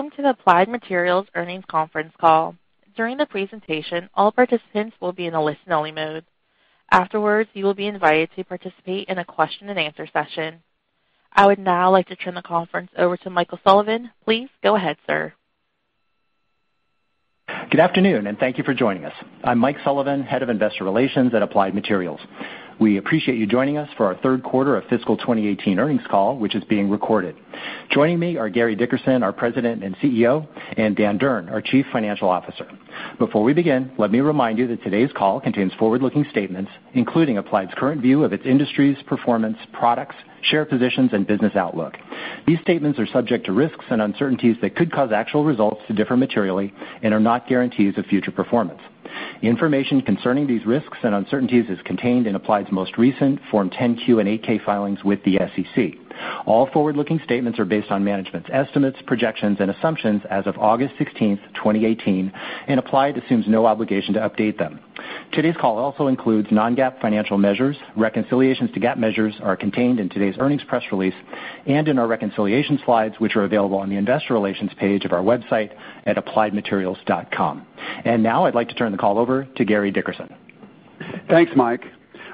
Welcome to the Applied Materials Earnings Conference Call. During the presentation, all participants will be in a listen-only mode. Afterwards, you will be invited to participate in a question and answer session. I would now like to turn the conference over to Michael Sullivan. Please go ahead, sir. Good afternoon, and thank you for joining us. I'm Mike Sullivan, Head of Investor Relations at Applied Materials. We appreciate you joining us for our third quarter of fiscal 2018 earnings call, which is being recorded. Joining me are Gary Dickerson, our President and CEO, and Dan Durn, our Chief Financial Officer. Before we begin, let me remind you that today's call contains forward-looking statements, including Applied's current view of its industry's performance, products, share positions, and business outlook. These statements are subject to risks and uncertainties that could cause actual results to differ materially and are not guarantees of future performance. Information concerning these risks and uncertainties is contained in Applied's most recent Form 10-Q and 8-K filings with the SEC. All forward-looking statements are based on management's estimates, projections, and assumptions as of August 16th, 2018, and Applied assumes no obligation to update them. Today's call also includes non-GAAP financial measures. Reconciliations to GAAP measures are contained in today's earnings press release and in our reconciliation slides, which are available on the investor relations page of our website at appliedmaterials.com. Now I'd like to turn the call over to Gary Dickerson. Thanks, Mike.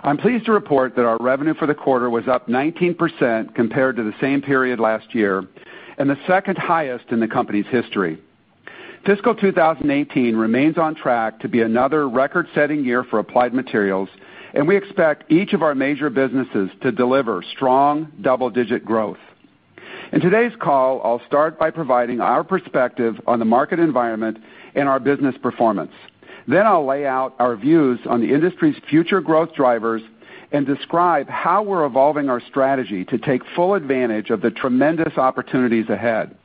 I'm pleased to report that our revenue for the quarter was up 19% compared to the same period last year and the second highest in the company's history. Fiscal 2018 remains on track to be another record-setting year for Applied Materials, and we expect each of our major businesses to deliver strong double-digit growth. In today's call, I'll start by providing our perspective on the market environment and our business performance. I'll lay out our views on the industry's future growth drivers and describe how we're evolving our strategy to take full advantage of the tremendous opportunities ahead.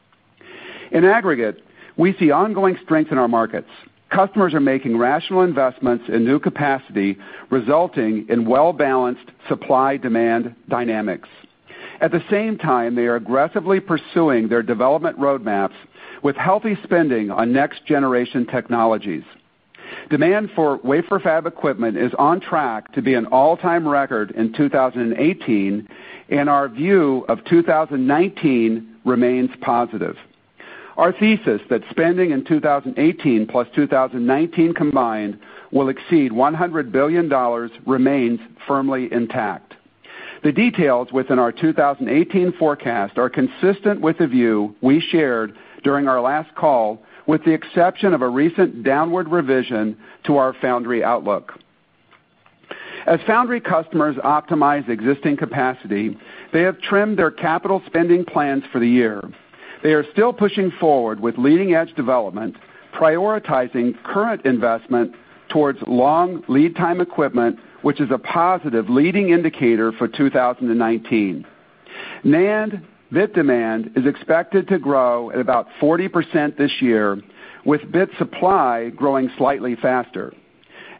In aggregate, we see ongoing strength in our markets. Customers are making rational investments in new capacity, resulting in well-balanced supply-demand dynamics. At the same time, they are aggressively pursuing their development roadmaps with healthy spending on next-generation technologies. Demand for wafer fab equipment is on track to be an all-time record in 2018, our view of 2019 remains positive. Our thesis that spending in 2018 plus 2019 combined will exceed $100 billion remains firmly intact. The details within our 2018 forecast are consistent with the view we shared during our last call, with the exception of a recent downward revision to our foundry outlook. As foundry customers optimize existing capacity, they have trimmed their capital spending plans for the year. They are still pushing forward with leading-edge development, prioritizing current investment towards long lead time equipment, which is a positive leading indicator for 2019. NAND bit demand is expected to grow at about 40% this year, with bit supply growing slightly faster.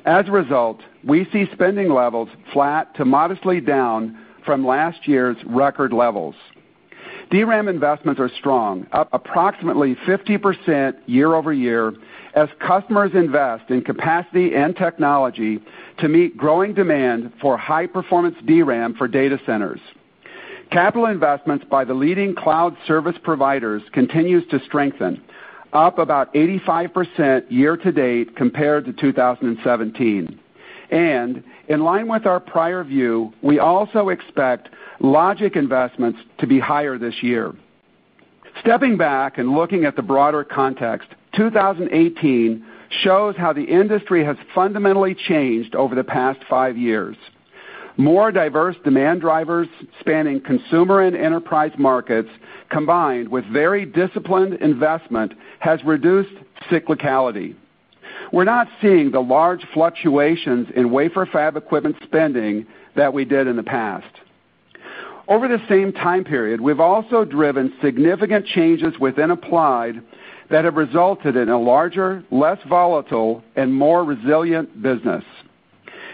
As a result, we see spending levels flat to modestly down from last year's record levels. DRAM investments are strong, up approximately 50% year-over-year as customers invest in capacity and technology to meet growing demand for high-performance DRAM for data centers. Capital investments by the leading cloud service providers continues to strengthen, up about 85% year-to-date compared to 2017. In line with our prior view, we also expect logic investments to be higher this year. Stepping back and looking at the broader context, 2018 shows how the industry has fundamentally changed over the past five years. More diverse demand drivers spanning consumer and enterprise markets, combined with very disciplined investment, has reduced cyclicality. We're not seeing the large fluctuations in wafer fab equipment spending that we did in the past. Over the same time period, we've also driven significant changes within Applied that have resulted in a larger, less volatile, and more resilient business.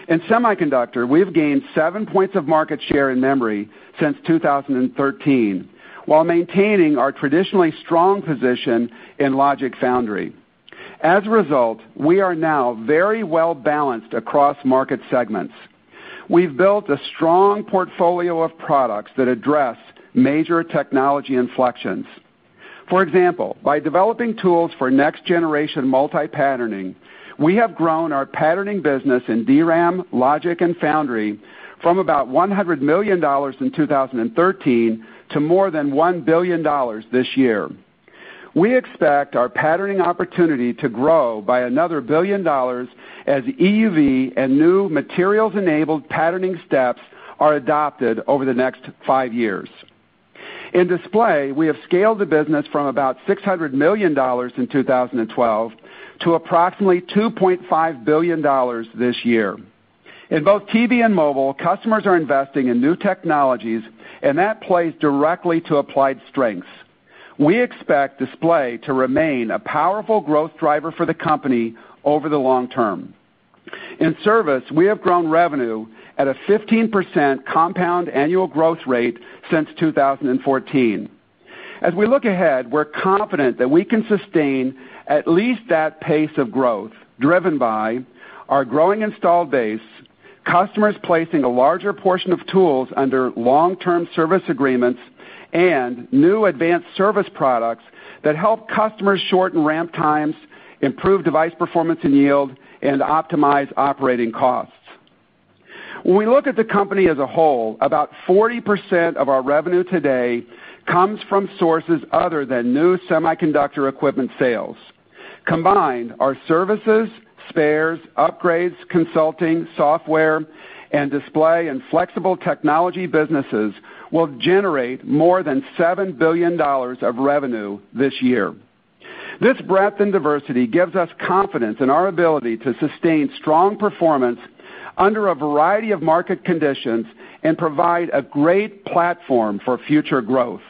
In semiconductor, we've gained seven points of market share in memory since 2013 while maintaining our traditionally strong position in logic foundry. As a result, we are now very well-balanced across market segments. We've built a strong portfolio of products that address major technology inflections. For example, by developing tools for next-generation multi-patterning, we have grown our patterning business in DRAM, logic, and foundry from about $100 million in 2013 to more than $1 billion this year. We expect our patterning opportunity to grow by another billion dollars as EUV and new materials-enabled patterning steps are adopted over the next five years. In display, we have scaled the business from about $600 million in 2012 to approximately $2.5 billion this year. In both TV and mobile, customers are investing in new technologies, that plays directly to Applied's strengths. We expect display to remain a powerful growth driver for the company over the long term. In service, we have grown revenue at a 15% compound annual growth rate since 2014. As we look ahead, we're confident that we can sustain at least that pace of growth, driven by our growing installed base, customers placing a larger portion of tools under long-term service agreements and new advanced service products that help customers shorten ramp times, improve device performance and yield, and optimize operating costs. When we look at the company as a whole, about 40% of our revenue today comes from sources other than new semiconductor equipment sales. Combined, our services, spares, upgrades, consulting, software, and display and flexible technology businesses will generate more than $7 billion of revenue this year. This breadth and diversity gives us confidence in our ability to sustain strong performance under a variety of market conditions and provide a great platform for future growth.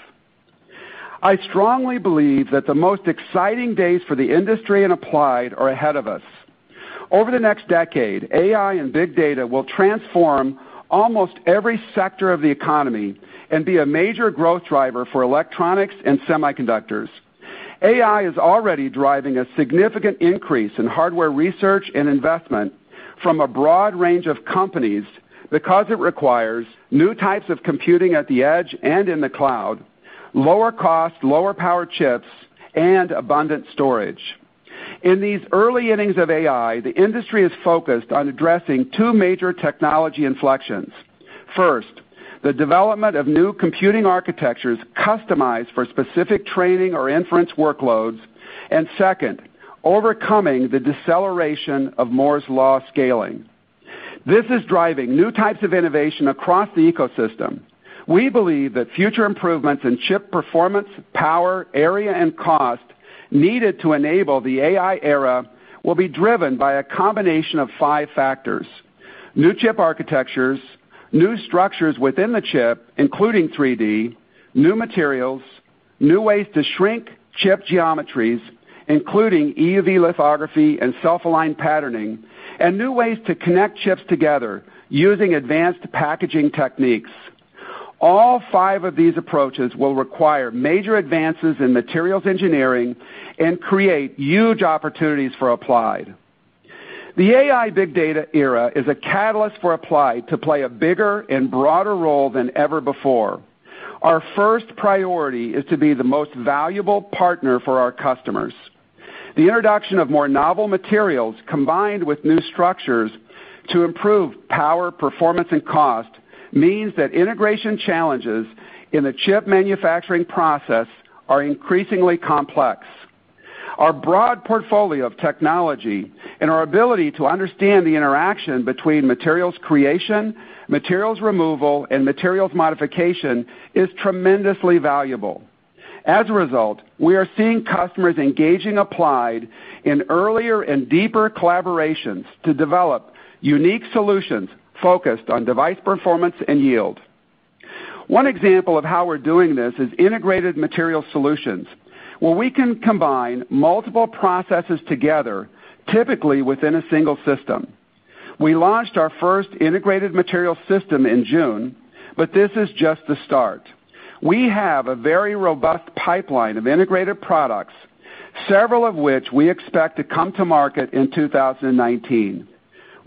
I strongly believe that the most exciting days for the industry and Applied are ahead of us. Over the next decade, AI and big data will transform almost every sector of the economy and be a major growth driver for electronics and semiconductors. AI is already driving a significant increase in hardware research and investment from a broad range of companies because it requires new types of computing at the edge and in the cloud, lower cost, lower power chips, and abundant storage. In these early innings of AI, the industry is focused on addressing two major technology inflections. First, the development of new computing architectures customized for specific training or inference workloads. Second, overcoming the deceleration of Moore's law scaling. This is driving new types of innovation across the ecosystem. We believe that future improvements in chip performance, power, area, and cost needed to enable the AI era will be driven by a combination of 5 factors. New chip architectures, new structures within the chip, including 3D, new materials, new ways to shrink chip geometries, including EUV lithography and self-aligned patterning, and new ways to connect chips together using advanced packaging techniques. All five of these approaches will require major advances in materials engineering and create huge opportunities for Applied. The AI big data era is a catalyst for Applied to play a bigger and broader role than ever before. Our first priority is to be the most valuable partner for our customers. The introduction of more novel materials, combined with new structures to improve power, performance, and cost, means that integration challenges in the chip manufacturing process are increasingly complex. Our broad portfolio of technology and our ability to understand the interaction between materials creation, materials removal, and materials modification is tremendously valuable. As a result, we are seeing customers engaging Applied in earlier and deeper collaborations to develop unique solutions focused on device performance and yield. One example of how we're doing this is integrated material solutions, where we can combine multiple processes together, typically within a single system. We launched our first integrated material system in June, but this is just the start. We have a very robust pipeline of integrated products, several of which we expect to come to market in 2019.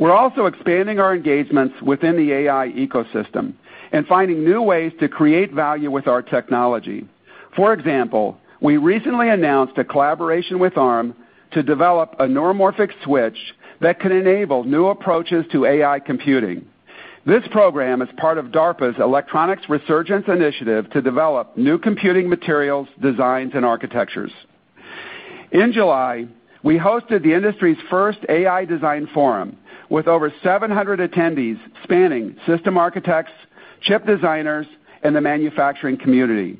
We're also expanding our engagements within the AI ecosystem and finding new ways to create value with our technology. For example, we recently announced a collaboration with Arm to develop a neuromorphic switch that could enable new approaches to AI computing. This program is part of DARPA's Electronics Resurgence Initiative to develop new computing materials, designs, and architectures. In July, we hosted the industry's first AI Design Forum with over 700 attendees spanning system architects, chip designers, and the manufacturing community.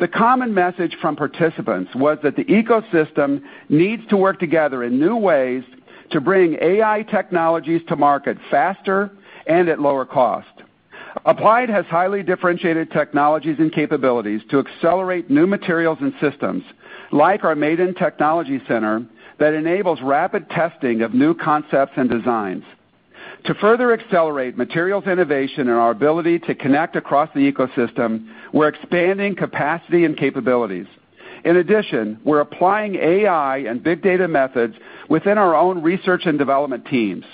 The common message from participants was that the ecosystem needs to work together in new ways to bring AI technologies to market faster and at lower cost. Applied has highly differentiated technologies and capabilities to accelerate new materials and systems, like our Maydan Technology Center that enables rapid testing of new concepts and designs. To further accelerate materials innovation and our ability to connect across the ecosystem, we're expanding capacity and capabilities. In addition, we're applying AI and big data methods within our own research and development teams.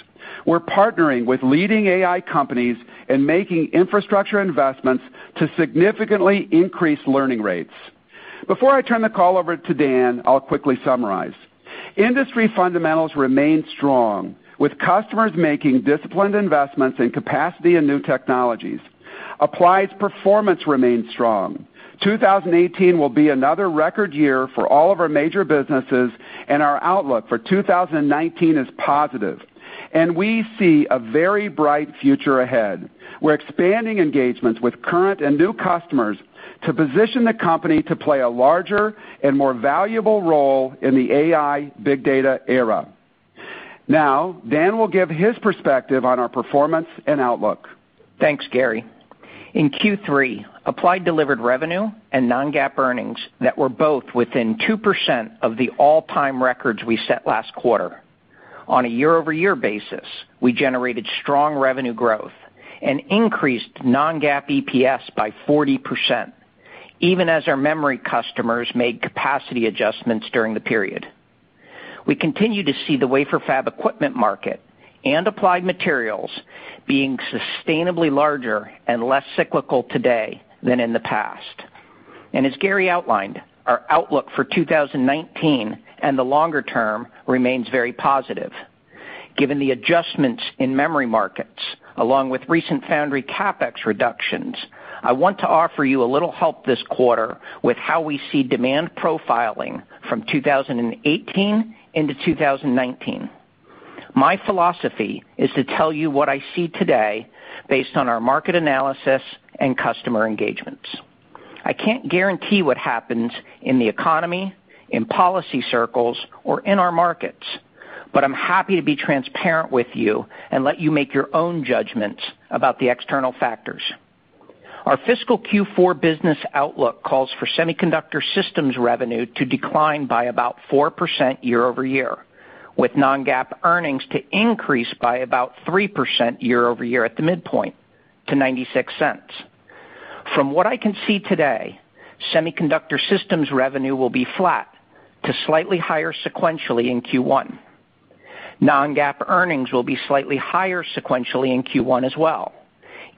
We're partnering with leading AI companies and making infrastructure investments to significantly increase learning rates. Before I turn the call over to Dan, I'll quickly summarize. Industry fundamentals remain strong, with customers making disciplined investments in capacity and new technologies. Applied's performance remains strong. 2018 will be another record year for all of our major businesses. Our outlook for 2019 is positive. We see a very bright future ahead. We're expanding engagements with current and new customers to position the company to play a larger and more valuable role in the AI big data era. Now, Dan will give his perspective on our performance and outlook. Thanks, Gary. In Q3, Applied delivered revenue and non-GAAP earnings that were both within 2% of the all-time records we set last quarter. On a year-over-year basis, we generated strong revenue growth and increased non-GAAP EPS by 40%, even as our memory customers made capacity adjustments during the period. We continue to see the wafer fab equipment market and Applied Materials being sustainably larger and less cyclical today than in the past. As Gary outlined, our outlook for 2019 and the longer term remains very positive. Given the adjustments in memory markets, along with recent foundry CapEx reductions, I want to offer you a little help this quarter with how we see demand profiling from 2018 into 2019. My philosophy is to tell you what I see today based on our market analysis and customer engagements. I can't guarantee what happens in the economy, in policy circles, or in our markets, but I'm happy to be transparent with you and let you make your own judgments about the external factors. Our fiscal Q4 business outlook calls for Semiconductor Systems revenue to decline by about 4% year-over-year, with non-GAAP earnings to increase by about 3% year-over-year at the midpoint to $0.96. From what I can see today, Semiconductor Systems revenue will be flat to slightly higher sequentially in Q1. Non-GAAP earnings will be slightly higher sequentially in Q1 as well,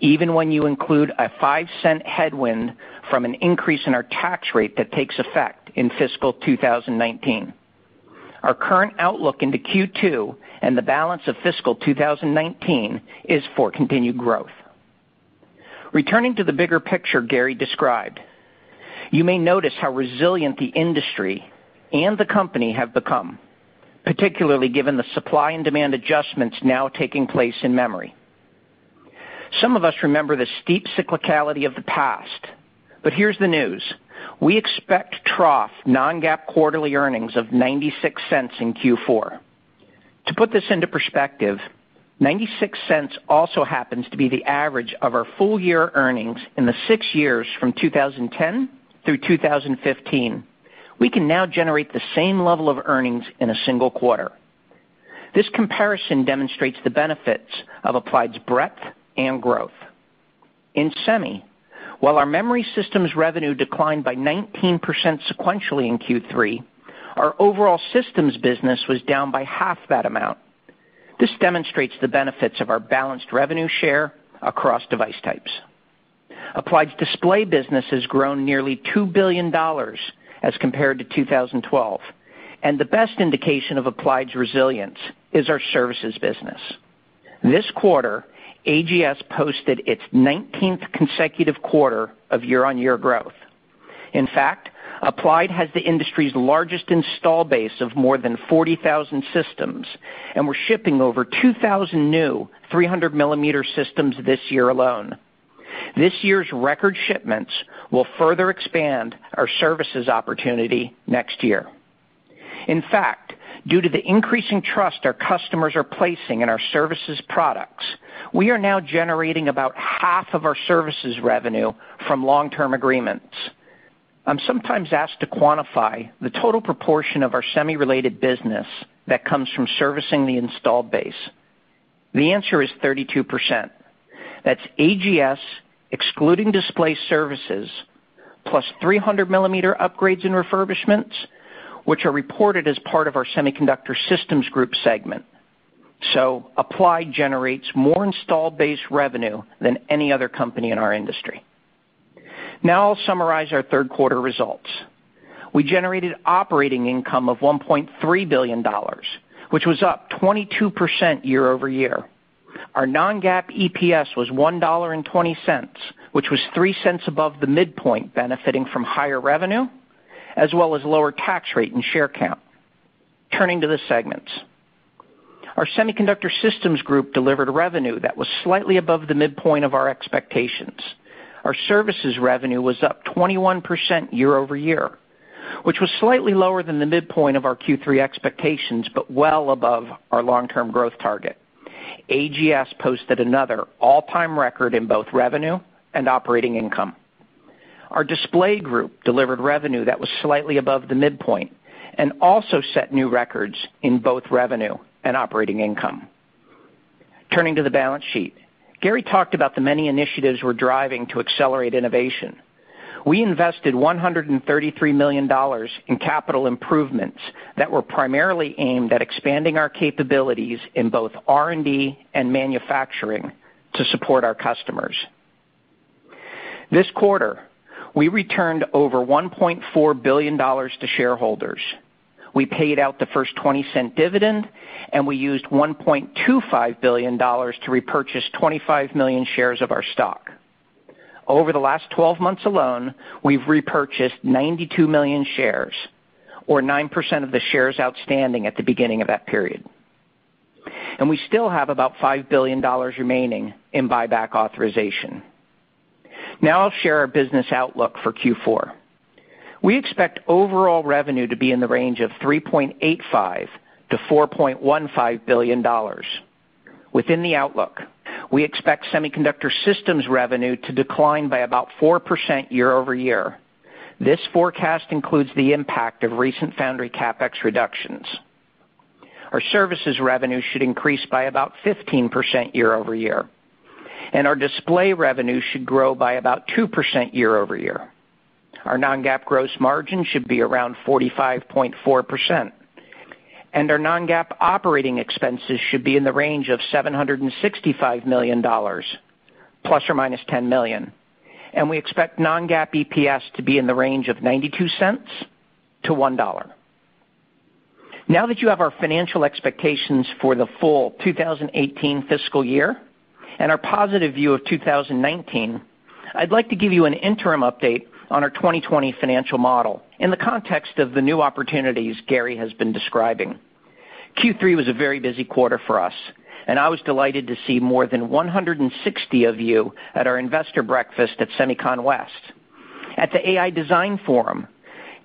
even when you include a $0.05 headwind from an increase in our tax rate that takes effect in fiscal 2019. Our current outlook into Q2 and the balance of fiscal 2019 is for continued growth. Returning to the bigger picture Gary described, you may notice how resilient the industry and the company have become, particularly given the supply and demand adjustments now taking place in memory. Some of us remember the steep cyclicality of the past, but here's the news. We expect trough non-GAAP quarterly earnings of $0.96 in Q4. To put this into perspective, $0.96 also happens to be the average of our full-year earnings in the six years from 2010 through 2015. We can now generate the same level of earnings in a single quarter. This comparison demonstrates the benefits of Applied's breadth and growth. In semi, while our memory systems revenue declined by 19% sequentially in Q3, our overall systems business was down by half that amount. Applied's display business has grown nearly $2 billion as compared to 2012. The best indication of Applied's resilience is our services business. This quarter, AGS posted its 19th consecutive quarter of year-on-year growth. In fact, Applied has the industry's largest install base of more than 40,000 systems, and we're shipping over 2,000 new 300-millimeter systems this year alone. This year's record shipments will further expand our services opportunity next year. In fact, due to the increasing trust our customers are placing in our services products, we are now generating about half of our services revenue from long-term agreements. I'm sometimes asked to quantify the total proportion of our semi-related business that comes from servicing the installed base. The answer is 32%. That's AGS, excluding display services, plus 300-millimeter upgrades and refurbishments, which are reported as part of our Semiconductor Systems Group segment. Applied generates more installed base revenue than any other company in our industry. Now I'll summarize our third-quarter results. We generated operating income of $1.3 billion, which was up 22% year-over-year. Our non-GAAP EPS was $1.20, which was $0.03 above the midpoint benefiting from higher revenue as well as lower tax rate and share count. Turning to the segments. Our Semiconductor Systems Group delivered revenue that was slightly above the midpoint of our expectations. Our services revenue was up 21% year-over-year, which was slightly lower than the midpoint of our Q3 expectations, but well above our long-term growth target. AGS posted another all-time record in both revenue and operating income. Our display group delivered revenue that was slightly above the midpoint and also set new records in both revenue and operating income. Turning to the balance sheet. Gary talked about the many initiatives we're driving to accelerate innovation. We invested $133 million in capital improvements that were primarily aimed at expanding our capabilities in both R&D and manufacturing to support our customers. This quarter, we returned over $1.4 billion to shareholders. We paid out the first $0.20 dividend. We used $1.25 billion to repurchase 25 million shares of our stock. Over the last 12 months alone, we've repurchased 92 million shares, or 9% of the shares outstanding at the beginning of that period. We still have about $5 billion remaining in buyback authorization. Now I'll share our business outlook for Q4. We expect overall revenue to be in the range of $3.85 billion-$4.15 billion. Within the outlook, we expect semiconductor systems revenue to decline by about 4% year-over-year. This forecast includes the impact of recent foundry CapEx reductions. Our services revenue should increase by about 15% year-over-year. Our display revenue should grow by about 2% year-over-year. Our non-GAAP gross margin should be around 45.4%. Our non-GAAP operating expenses should be in the range of $765 million, ±$10 million. We expect non-GAAP EPS to be in the range of $0.92-$1. Now that you have our financial expectations for the full 2018 fiscal year and our positive view of 2019, I'd like to give you an interim update on our 2020 financial model in the context of the new opportunities Gary has been describing. Q3 was a very busy quarter for us, and I was delighted to see more than 160 of you at our investor breakfast at SEMICON West. At the AI Design Forum,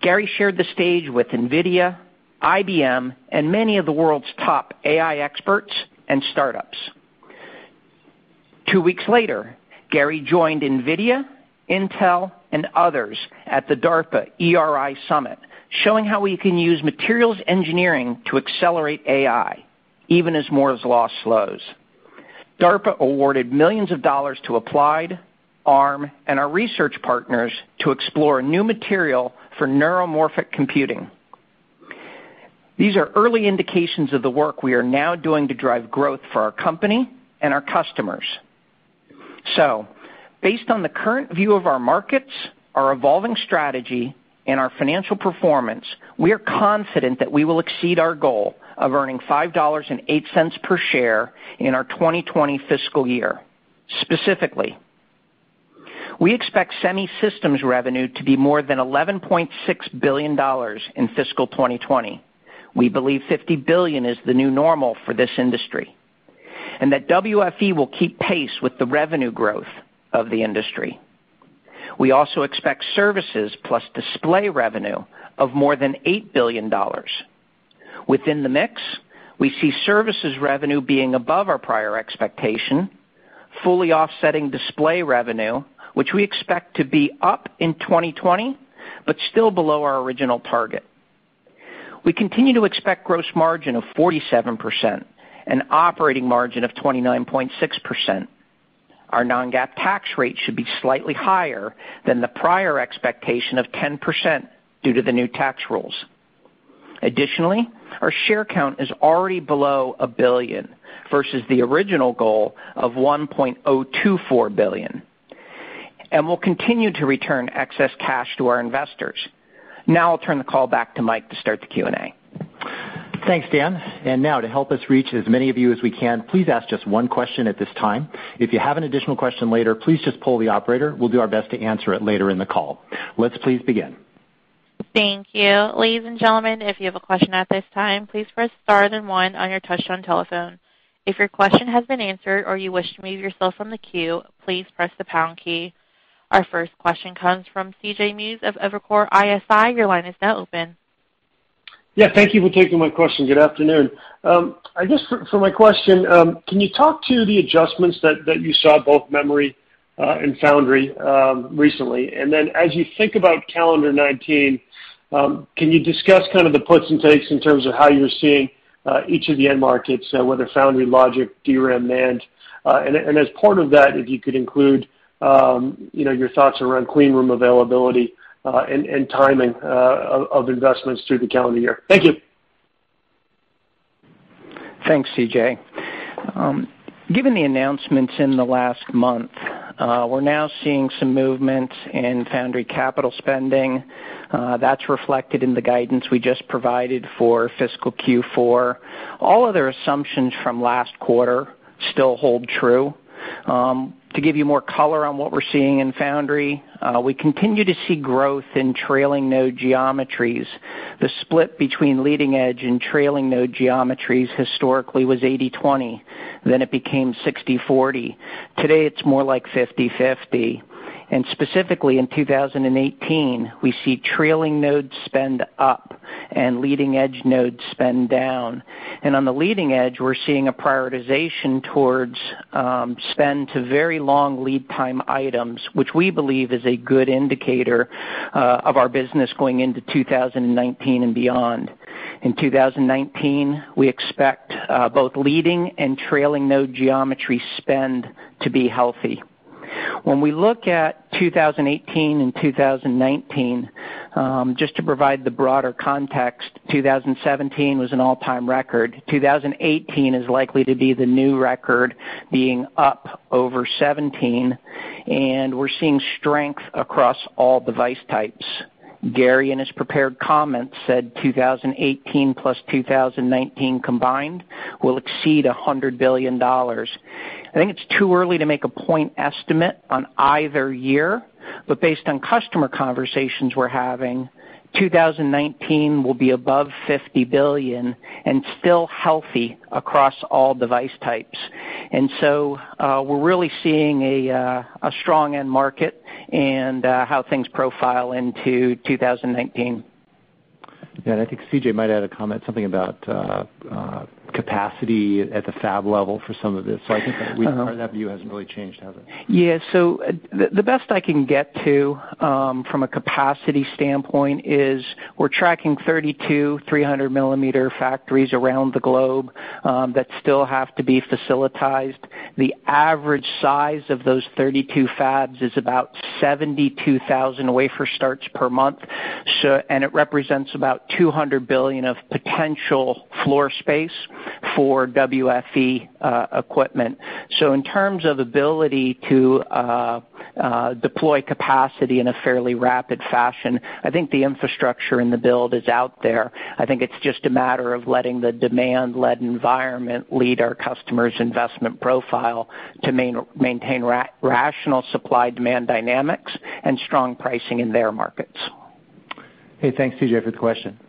Gary shared the stage with NVIDIA, IBM, and many of the world's top AI experts and startups. Two weeks later, Gary joined NVIDIA, Intel, and others at the DARPA ERI Summit, showing how we can use materials engineering to accelerate AI, even as Moore's law slows. DARPA awarded millions of dollars to Applied, Arm, and our research partners to explore new material for neuromorphic computing. These are early indications of the work we are now doing to drive growth for our company and our customers. Based on the current view of our markets, our evolving strategy, and our financial performance, we are confident that we will exceed our goal of earning $5.08 per share in our 2020 fiscal year. Specifically, we expect Semi Systems revenue to be more than $11.6 billion in fiscal 2020. We believe $50 billion is the new normal for this industry, and that WFE will keep pace with the revenue growth of the industry. We also expect services plus display revenue of more than $8 billion. Within the mix, we see services revenue being above our prior expectation, fully offsetting display revenue, which we expect to be up in 2020, but still below our original target. We continue to expect gross margin of 47% and operating margin of 29.6%. Our non-GAAP tax rate should be slightly higher than the prior expectation of 10% due to the new tax rules. Additionally, our share count is already below 1 billion versus the original goal of 1.024 billion. We'll continue to return excess cash to our investors. Now I'll turn the call back to Mike to start the Q&A. Thanks, Dan. Now to help us reach as many of you as we can, please ask just one question at this time. If you have an additional question later, please just poll the operator. We'll do our best to answer it later in the call. Let's please begin. Thank you. Ladies and gentlemen, if you have a question at this time, please press star then one on your touch-tone telephone. If your question has been answered or you wish to remove yourself from the queue, please press the pound key. Our first question comes from C.J. Muse of Evercore ISI. Your line is now open. Yeah, thank you for taking my question. Good afternoon. I guess for my question, can you talk to the adjustments that you saw both memory and foundry recently? Then as you think about calendar 2019, can you discuss kind of the puts and takes in terms of how you're seeing each of the end markets, whether foundry, logic, DRAM, NAND, and as part of that, if you could include your thoughts around clean room availability and timing of investments through the calendar year. Thank you. Thanks, C.J. Given the announcements in the last month, we're now seeing some movement in foundry capital spending. That's reflected in the guidance we just provided for fiscal Q4. All other assumptions from last quarter still hold true. To give you more color on what we're seeing in foundry, we continue to see growth in trailing node geometries. The split between leading-edge and trailing node geometries historically was 80/20. It became 60/40. Today, it's more like 50/50. Specifically in 2018, we see trailing node spend up and leading edge node spend down. On the leading edge, we're seeing a prioritization towards spend to very long lead time items, which we believe is a good indicator of our business going into 2019 and beyond. In 2019, we expect both leading and trailing node geometry spend to be healthy. When we look at 2018 and 2019, just to provide the broader context, 2017 was an all-time record. 2018 is likely to be the new record, being up over 2017, and we're seeing strength across all device types. Gary, in his prepared comments, said 2018 plus 2019 combined will exceed $100 billion. I think it's too early to make a point estimate on either year, but based on customer conversations we're having, 2019 will be above $50 billion and still healthy across all device types. We're really seeing a strong end market and how things profile into 2019. Yeah, I think C.J. might add a comment, something about capacity at the fab level for some of this. I think that view hasn't really changed, has it? The best I can get to from a capacity standpoint is we're tracking 32 300-millimeter factories around the globe that still have to be facilitized. The average size of those 32 fabs is about 72,000 wafer starts per month, and it represents about 200 billion of potential floor space for WFE equipment. In terms of ability to deploy capacity in a fairly rapid fashion, I think the infrastructure and the build is out there. I think it's just a matter of letting the demand-led environment lead our customers' investment profile to maintain rational supply-demand dynamics and strong pricing in their markets. Hey, thanks, C.J., for the question.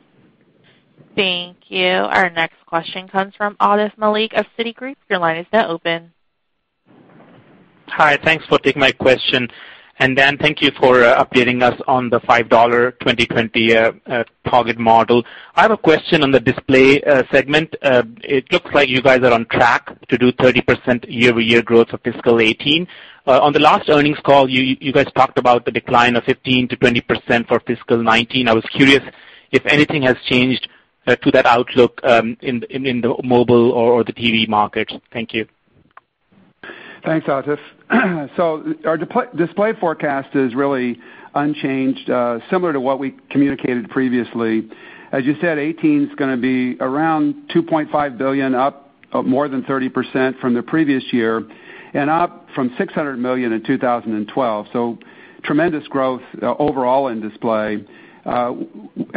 Thank you. Our next question comes from Atif Malik of Citigroup. Your line is now open. Hi. Thanks for taking my question. Dan, thank you for updating us on the $5 2020 target model. I have a question on the display segment. It looks like you guys are on track to do 30% year-over-year growth for fiscal 2018. On the last earnings call, you guys talked about the decline of 15%-20% for fiscal 2019. I was curious if anything has changed to that outlook in the mobile or the TV market. Thank you. Thanks, Atif. Our display forecast is really unchanged, similar to what we communicated previously. As you said, 2018 is going to be around $2.5 billion, up more than 30% from the previous year, and up from $600 million in 2012. Tremendous growth overall in display.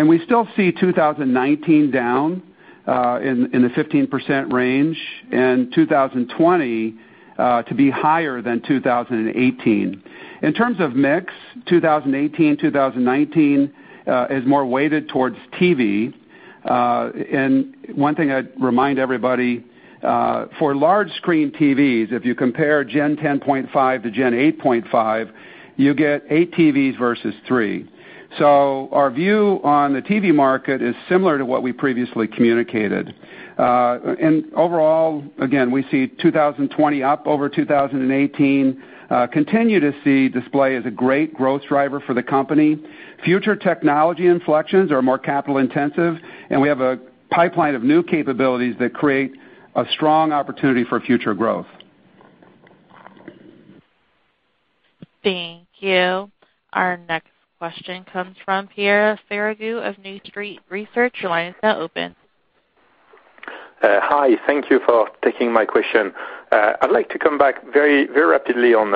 We still see 2019 down in the 15% range and 2020 to be higher than 2018. In terms of mix, 2018-2019 is more weighted towards TV. One thing I'd remind everybody, for large screen TVs, if you compare Gen 10.5 to Gen 8.5, you get eight TVs versus three. Our view on the TV market is similar to what we previously communicated. Overall, again, we see 2020 up over 2018, continue to see display as a great growth driver for the company. Future technology inflections are more capital-intensive, and we have a pipeline of new capabilities that create a strong opportunity for future growth. Thank you. Our next question comes from Pierre Ferragu of New Street Research. Your line is now open. Hi. Thank you for taking my question. I'd like to come back very rapidly on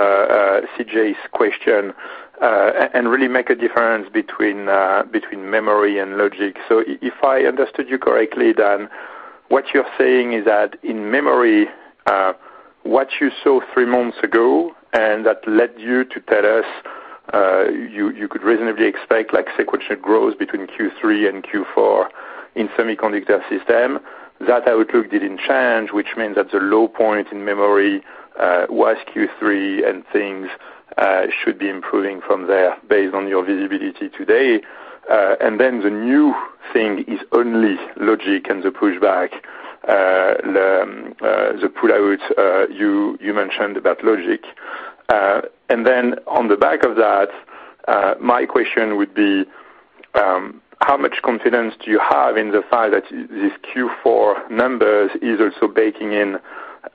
C.J.'s question and really make a difference between memory and logic. If I understood you correctly, Dan, what you're saying is that in memory, what you saw three months ago, and that led you to tell us you could reasonably expect sequential growth between Q3 and Q4 in Semiconductor Systems. That outlook didn't change, which means that the low point in memory was Q3, and things should be improving from there based on your visibility today. Then the new thing is only logic and the pushback, the pullout you mentioned about logic. On the back of that, my question would be, how much confidence do you have in the fact that these Q4 numbers is also baking in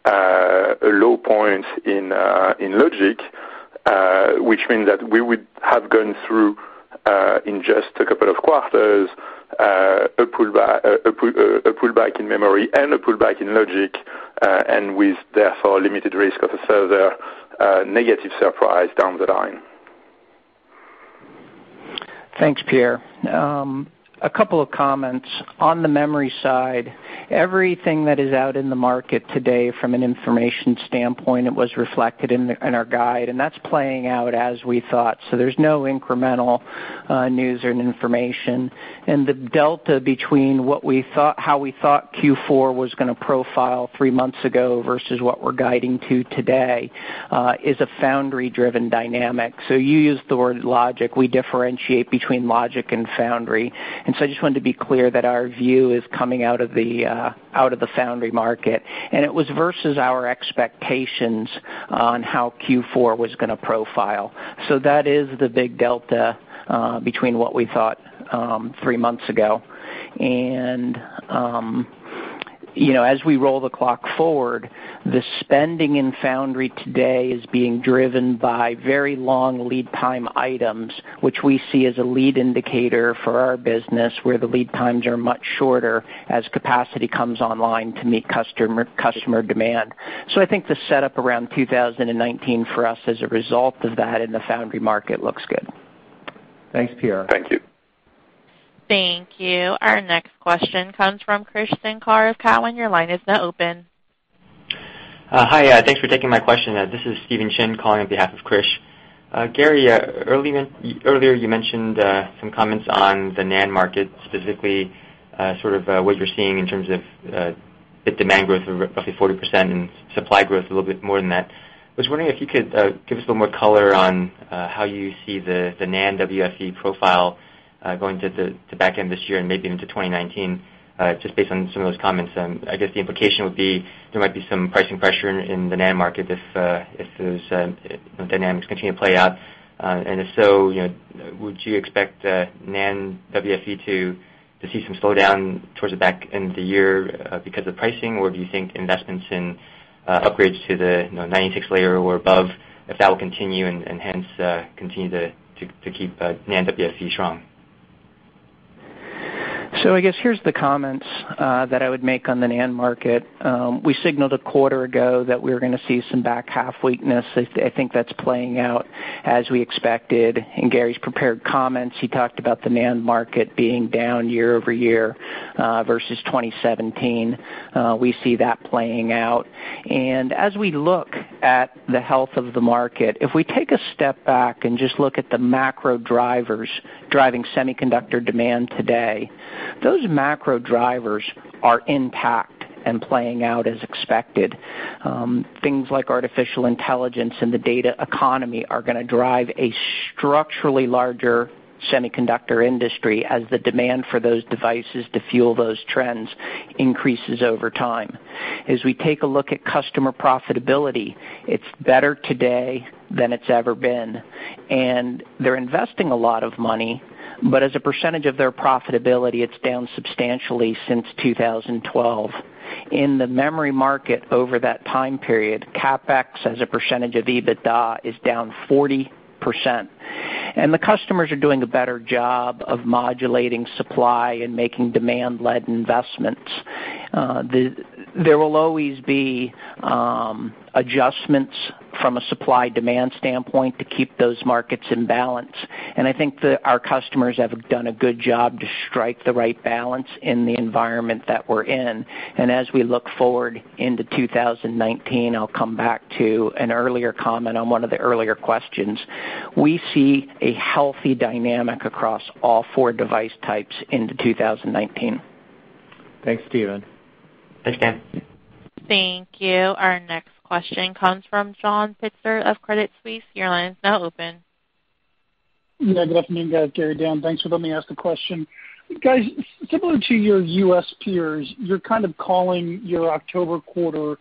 a low point in logic, which means that we would have gone through, in just a couple of quarters, a pullback in memory and a pullback in logic, and with therefore limited risk of a further negative surprise down the line? Thanks, Pierre. A couple of comments. On the memory side, everything that is out in the market today from an information standpoint, it was reflected in our guide, and that's playing out as we thought. There's no incremental news or information. The delta between how we thought Q4 was going to profile three months ago versus what we're guiding to today is a foundry-driven dynamic. You used the word logic. We differentiate between logic and foundry. I just wanted to be clear that our view is coming out of the foundry market, and it was versus our expectations on how Q4 was going to profile. That is the big delta between what we thought three months ago. As we roll the clock forward, the spending in foundry today is being driven by very long lead time items, which we see as a lead indicator for our business, where the lead times are much shorter as capacity comes online to meet customer demand. I think the setup around 2019 for us as a result of that in the foundry market looks good. Thanks, Pierre. Thank you. Thank you. Our next question comes from Krish Sankar. Your line is now open. Hi. Thanks for taking my question. This is Steven Chin calling on behalf of Krish. Gary, earlier you mentioned some comments on the NAND market, specifically Sort of what you're seeing in terms of bit demand growth of roughly 40% and supply growth a little bit more than that. I was wondering if you could give us a little more color on how you see the NAND WFE profile going to the back end this year and maybe into 2019, just based on some of those comments. I guess the implication would be there might be some pricing pressure in the NAND market if those dynamics continue to play out. If so, would you expect NAND WFE to see some slowdown towards the back end of the year because of pricing, or do you think investments in upgrades to the 96 layer or above, if that will continue and hence continue to keep NAND WFE strong? I guess here's the comments that I would make on the NAND market. We signaled a quarter ago that we were going to see some back half weakness. I think that's playing out as we expected. In Gary's prepared comments, he talked about the NAND market being down year-over-year versus 2017. We see that playing out. As we look at the health of the market, if we take a step back and just look at the macro drivers driving semiconductor demand today, those macro drivers are intact and playing out as expected. Things like artificial intelligence and the data economy are going to drive a structurally larger semiconductor industry as the demand for those devices to fuel those trends increases over time. As we take a look at customer profitability, it's better today than it's ever been, and they're investing a lot of money, but as a percentage of their profitability, it's down substantially since 2012. In the memory market over that time period, CapEx as a percentage of EBITDA is down 40%, the customers are doing a better job of modulating supply and making demand-led investments. There will always be adjustments from a supply-demand standpoint to keep those markets in balance, and I think that our customers have done a good job to strike the right balance in the environment that we're in. As we look forward into 2019, I'll come back to an earlier comment on one of the earlier questions. We see a healthy dynamic across all 4 device types into 2019. Thanks, Steven. Thanks, Dan. Thank you. Our next question comes from John Pitzer of Credit Suisse. Your line is now open. Yeah, good afternoon, guys. Gary, Dan. Thanks for letting me ask a question. Guys, similar to your U.S. peers, you're kind of calling your October quarter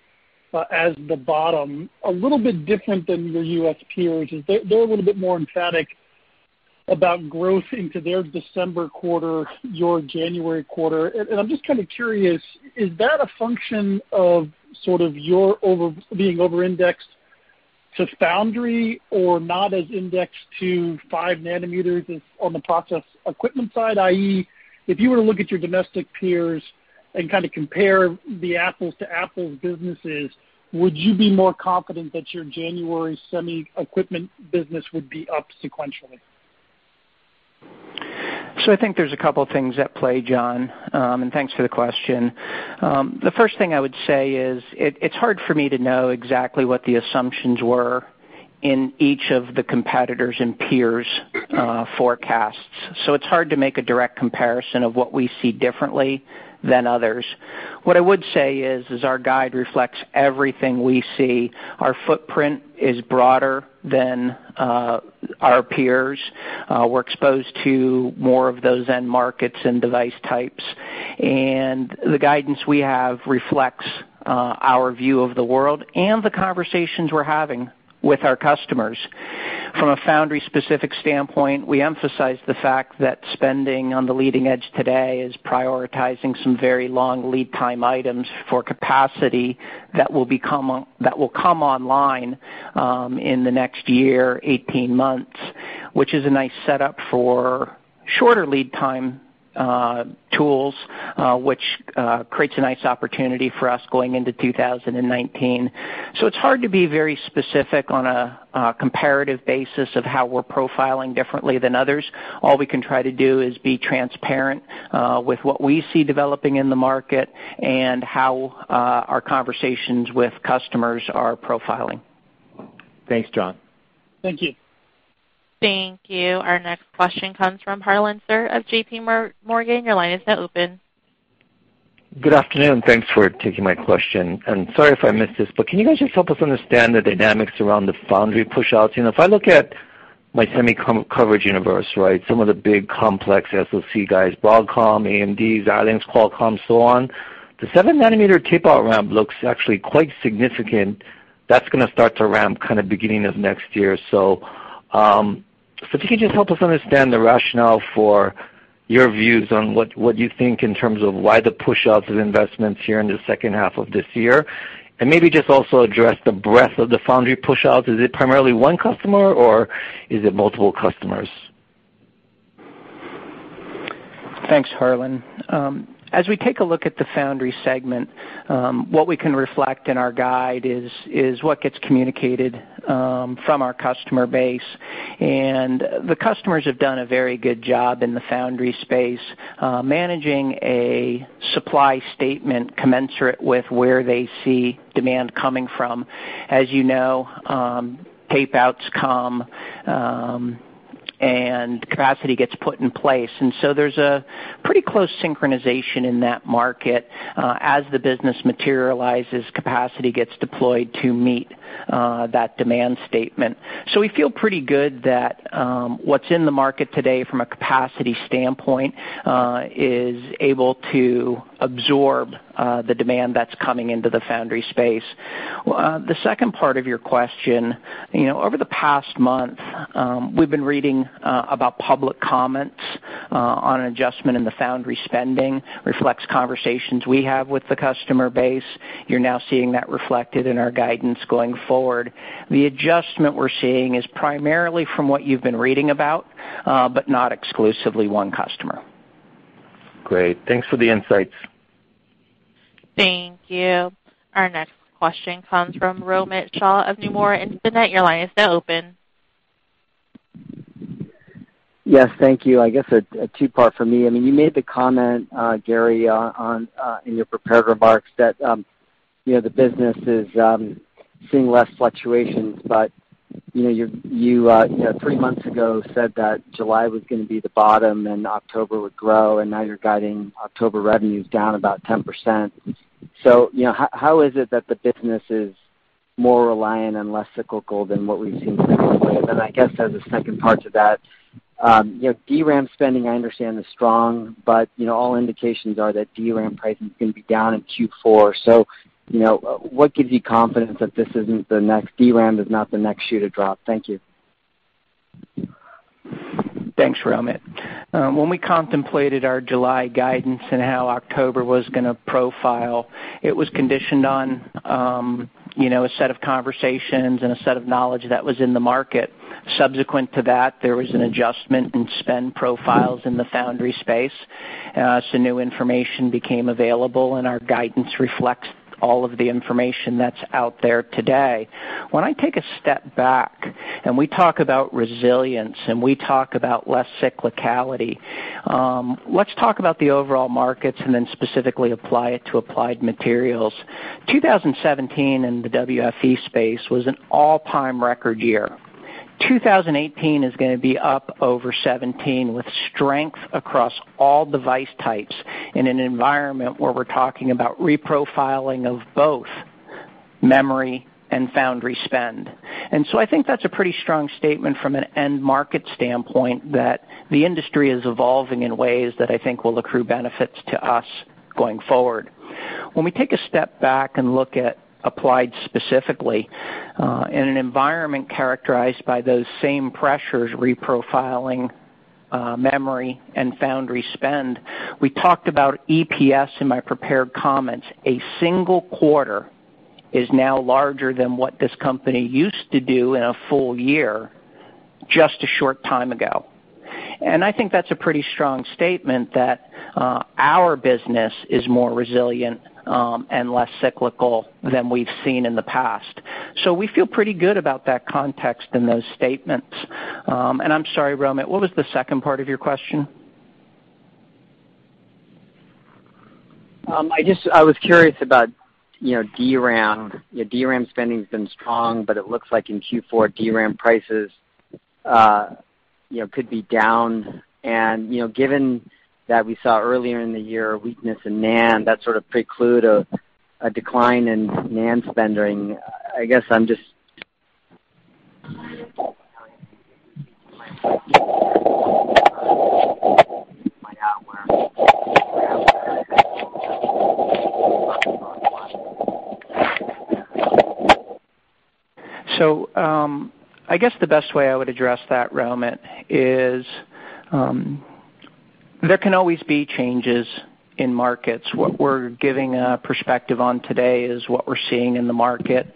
as the bottom. A little bit different than your U.S. peers is they're a little bit more emphatic about growth into their December quarter, your January quarter. I'm just kind of curious, is that a function of sort of your being over-indexed to foundry or not as indexed to five nanometers as on the process equipment side, i.e., if you were to look at your domestic peers and kind of compare the apples to apples businesses, would you be more confident that your January semi equipment business would be up sequentially? I think there's a couple of things at play, John, and thanks for the question. The first thing I would say is, it's hard for me to know exactly what the assumptions were in each of the competitors' and peers' forecasts. It's hard to make a direct comparison of what we see differently than others. What I would say is our guide reflects everything we see. Our footprint is broader than our peers. We're exposed to more of those end markets and device types. The guidance we have reflects our view of the world and the conversations we're having with our customers. From a foundry-specific standpoint, we emphasize the fact that spending on the leading edge today is prioritizing some very long lead time items for capacity that will come online in the next year, 18 months, which is a nice setup for shorter lead time tools, which creates a nice opportunity for us going into 2019. It's hard to be very specific on a comparative basis of how we're profiling differently than others. All we can try to do is be transparent with what we see developing in the market and how our conversations with customers are profiling. Thanks, John. Thank you. Thank you. Our next question comes from Harlan Sur of J.P. Morgan. Your line is now open. Good afternoon, thanks for taking my question. Sorry if I missed this, but can you guys just help us understand the dynamics around the foundry push-outs? If I look at my semi coverage universe, right, some of the big complex SoC guys, Broadcom, AMD, Xilinx, Qualcomm, so on, the seven-nanometer tape-out ramp looks actually quite significant. That's going to start to ramp kind of beginning of next year. If you could just help us understand the rationale for your views on what you think in terms of why the pushouts of investments here in the second half of this year, and maybe just also address the breadth of the foundry pushouts. Is it primarily one customer, or is it multiple customers? Thanks, Harlan. As we take a look at the foundry segment, what we can reflect in our guide is what gets communicated from our customer base. The customers have done a very good job in the foundry space, managing a supply statement commensurate with where they see demand coming from. As you know, tape-outs. Capacity gets put in place. There's a pretty close synchronization in that market. As the business materializes, capacity gets deployed to meet that demand statement. We feel pretty good that what's in the market today from a capacity standpoint is able to absorb the demand that's coming into the foundry space. The second part of your question, over the past month, we've been reading about public comments on an adjustment in the foundry spending, reflects conversations we have with the customer base. You're now seeing that reflected in our guidance going forward. The adjustment we're seeing is primarily from what you've been reading about, but not exclusively one customer. Great. Thanks for the insights. Thank you. Our next question comes from Romit Shah of Nomura Instinet. Your line is now open. Yes, thank you. I guess a two-part for me. You made the comment, Gary, in your prepared remarks that the business is seeing less fluctuations, but you three months ago said that July was going to be the bottom and October would grow, and now you're guiding October revenues down about 10%. How is it that the business is more reliant and less cyclical than what we've seen previously? I guess as a second part to that, DRAM spending, I understand, is strong, but all indications are that DRAM pricing is going to be down in Q4. What gives you confidence that DRAM is not the next shoe to drop? Thank you. Thanks, Romit. When we contemplated our July guidance and how October was going to profile, it was conditioned on a set of conversations and a set of knowledge that was in the market. Subsequent to that, there was an adjustment in spend profiles in the foundry space. New information became available, and our guidance reflects all of the information that's out there today. When I take a step back and we talk about resilience and we talk about less cyclicality, let's talk about the overall markets and then specifically apply it to Applied Materials. 2017 in the WFE space was an all-time record year. 2018 is going to be up over 2017, with strength across all device types in an environment where we're talking about reprofiling of both memory and foundry spend. I think that's a pretty strong statement from an end market standpoint that the industry is evolving in ways that I think will accrue benefits to us going forward. When we take a step back and look at Applied specifically, in an environment characterized by those same pressures, reprofiling memory and foundry spend, we talked about EPS in my prepared comments. A single quarter is now larger than what this company used to do in a full year, just a short time ago. I think that's a pretty strong statement that our business is more resilient and less cyclical than we've seen in the past. We feel pretty good about that context and those statements. I'm sorry, Romit, what was the second part of your question? I was curious about DRAM. DRAM spending's been strong, but it looks like in Q4, DRAM prices could be down. Given that we saw earlier in the year a weakness in NAND, that sort of preclude a decline in NAND spending. I guess the best way I would address that, Romit, is there can always be changes in markets. What we're giving a perspective on today is what we're seeing in the market.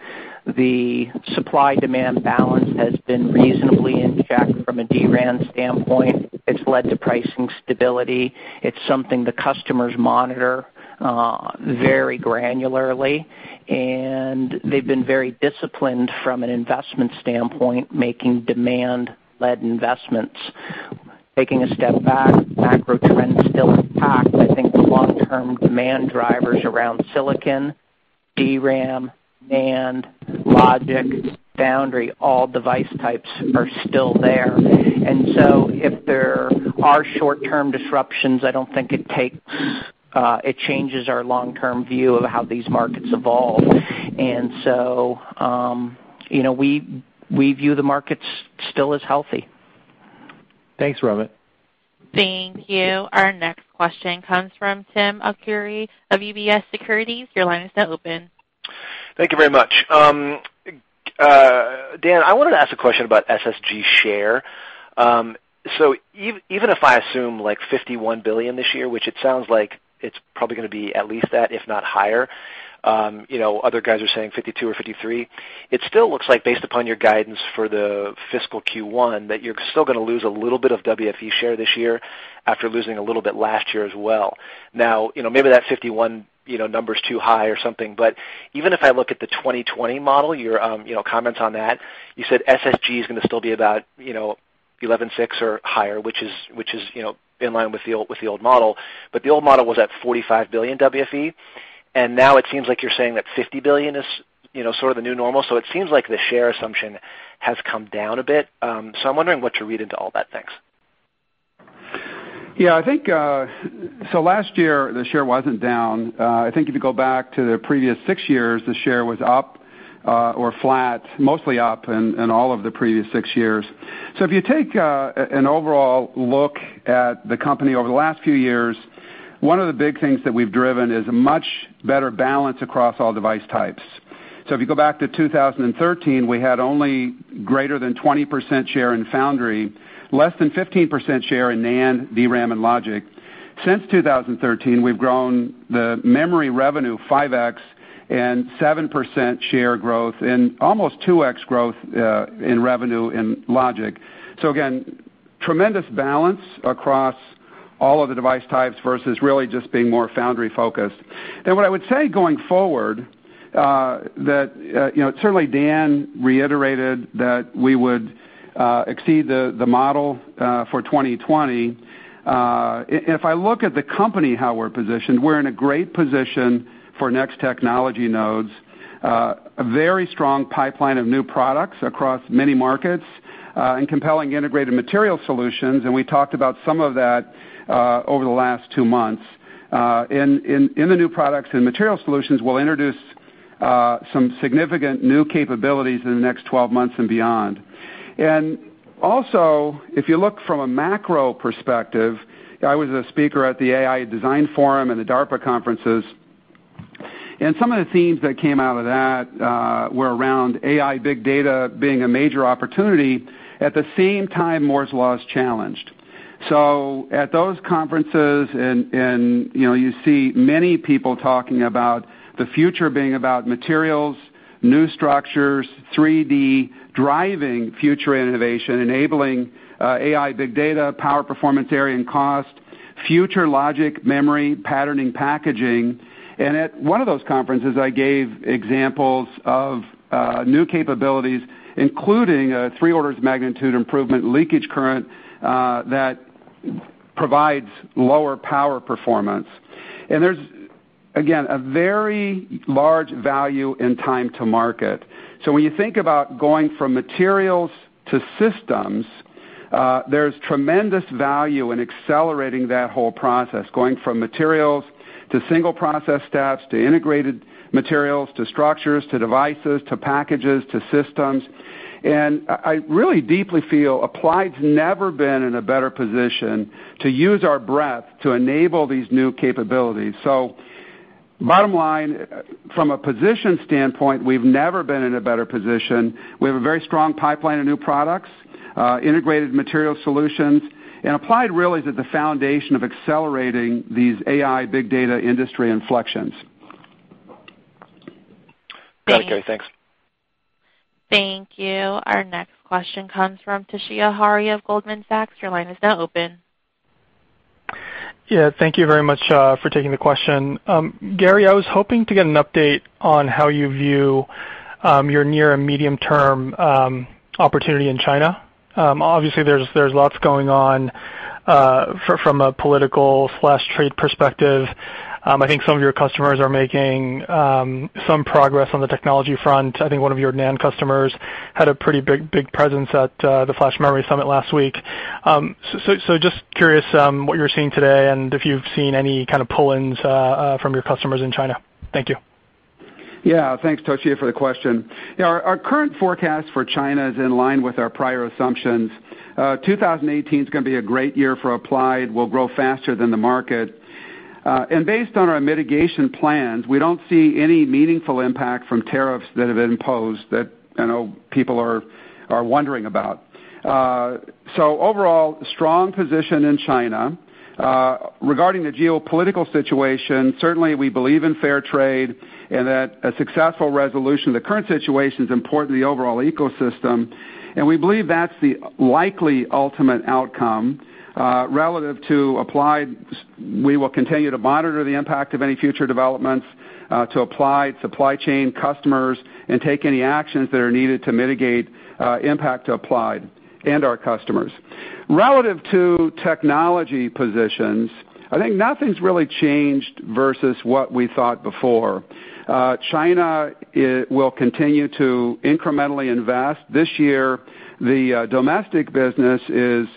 The supply-demand balance has been reasonably in check from a DRAM standpoint. It's led to pricing stability. It's something the customers monitor very granularly, and they've been very disciplined from an investment standpoint, making demand-led investments. Taking a step back, macro trend still intact. I think the long-term demand drivers around silicon, DRAM, NAND, logic, foundry, all device types are still there. If there are short-term disruptions, I don't think it changes our long-term view of how these markets evolve. We view the markets still as healthy. Thanks, Romit. Thank you. Our next question comes from Tim Arcuri of UBS Securities. Your line is now open. Thank you very much. Dan, I wanted to ask a question about SSG share. Even if I assume like $51 billion this year, which it sounds like it's probably going to be at least that, if not higher, other guys are saying 52 or 53, it still looks like based upon your guidance for the fiscal Q1, that you're still going to lose a little bit of WFE share this year after losing a little bit last year as well. Maybe that 51 number's too high or something, but even if I look at the 2020 model, your comments on that, you said SSG is going to still be about 11.6 or higher, which is in line with the old model. The old model was at $45 billion WFE. Now it seems like you're saying that $50 billion is the new normal. It seems like the share assumption has come down a bit. I'm wondering what to read into all that. Thanks. Yeah. Last year, the share wasn't down. I think if you go back to the previous six years, the share was up or flat, mostly up in all of the previous six years. If you take an overall look at the company over the last few years, one of the big things that we've driven is a much better balance across all device types. If you go back to 2013, we had only greater than 20% share in foundry, less than 15% share in NAND, DRAM, and logic. Since 2013, we've grown the memory revenue 5x and 7% share growth and almost 2x growth in revenue in logic. Again, tremendous balance across all of the device types versus really just being more foundry-focused. What I would say going forward, certainly Dan reiterated that we would exceed the model for 2020. If I look at the company, how we're positioned, we're in a great position for next technology nodes. A very strong pipeline of new products across many markets, and compelling integrated material solutions, and we talked about some of that over the last two months. In the new products and material solutions, we'll introduce some significant new capabilities in the next 12 months and beyond. If you look from a macro perspective, I was a speaker at the AI Design Forum and the DARPA conferences, and some of the themes that came out of that were around AI big data being a major opportunity. At the same time, Moore's law is challenged. At those conferences, you see many people talking about the future being about materials, new structures, 3D driving future innovation, enabling AI, big data, power, performance area, and cost, future logic, memory, patterning, packaging. At one of those conferences, I gave examples of new capabilities, including a three orders of magnitude improvement leakage current that provides lower power performance. There's, again, a very large value in time to market. When you think about going from materials to systems, there's tremendous value in accelerating that whole process, going from materials to single process steps, to integrated materials, to structures, to devices, to packages, to systems. I really deeply feel Applied's never been in a better position to use our breadth to enable these new capabilities. Bottom line, from a position standpoint, we've never been in a better position. We have a very strong pipeline of new products, integrated material solutions, and Applied really is at the foundation of accelerating these AI big data industry inflections. Got it, Gary. Thanks. Thank you. Our next question comes from Toshiya Hari of Goldman Sachs. Your line is now open. Yeah, thank you very much for taking the question. Gary, I was hoping to get an update on how you view your near and medium-term opportunity in China. Obviously, there's lots going on from a political/trade perspective. I think some of your customers are making some progress on the technology front. I think one of your NAND customers had a pretty big presence at the Flash Memory Summit last week. Just curious what you're seeing today and if you've seen any kind of pull-ins from your customers in China. Thank you. Yeah. Thanks, Toshiya, for the question. Our current forecast for China is in line with our prior assumptions. 2018 is going to be a great year for Applied. We'll grow faster than the market. Based on our mitigation plans, we don't see any meaningful impact from tariffs that have been imposed that I know people are wondering about. Overall, strong position in China. Regarding the geopolitical situation, certainly we believe in fair trade and that a successful resolution of the current situation is important to the overall ecosystem, and we believe that's the likely ultimate outcome. Relative to Applied, we will continue to monitor the impact of any future developments to Applied supply chain customers and take any actions that are needed to mitigate impact to Applied and our customers. Relative to technology positions, I think nothing's really changed versus what we thought before. China will continue to incrementally invest. This year, the domestic business is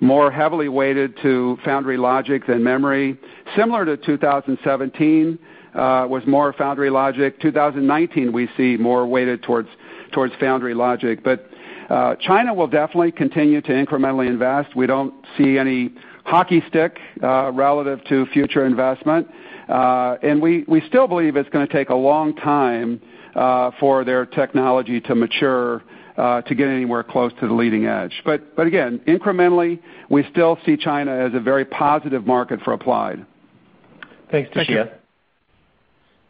more heavily weighted to foundry logic than memory. Similar to 2017, was more foundry logic. 2019, we see more weighted towards foundry logic. China will definitely continue to incrementally invest. We don't see any hockey stick relative to future investment. We still believe it's going to take a long time for their technology to mature to get anywhere close to the leading edge. Again, incrementally, we still see China as a very positive market for Applied. Thanks, Toshiya.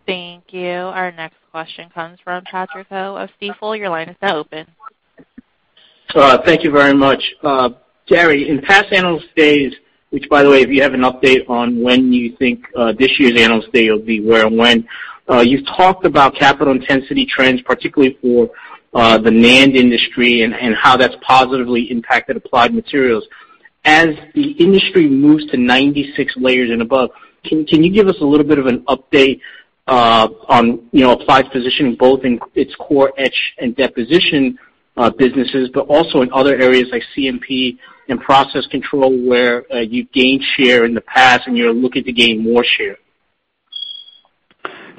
Thank you. Our next question comes from Patrick Ho of Stifel. Your line is now open. Thank you very much. Gary, in past Analyst Days, which by the way, if you have an update on when you think this year's Analyst Day will be, where and when, you've talked about capital intensity trends, particularly for the NAND industry and how that's positively impacted Applied Materials. As the industry moves to 96 layers and above, can you give us a little bit of an update on Applied's position, both in its core etch and deposition businesses, but also in other areas like CMP and process control, where you've gained share in the past and you're looking to gain more share?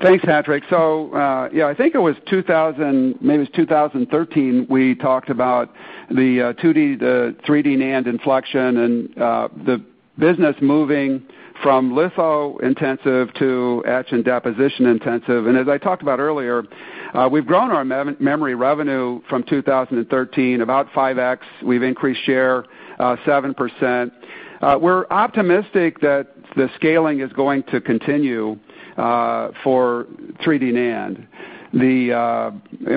Thanks, Patrick. I think maybe it was 2013, we talked about the 3D NAND inflection and the business moving from litho-intensive to etch and deposition-intensive. As I talked about earlier, we've grown our memory revenue from 2013, about 5x. We've increased share 7%. We're optimistic that the scaling is going to continue for 3D NAND.